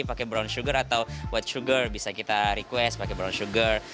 pakai brown sugar atau white sugar bisa kita request pakai brown sugar